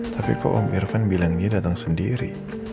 tapi kok om irfan bilang dia datang sendiri